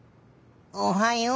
おはよう。